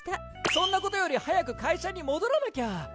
そんな事より早く会社に戻らなきゃ！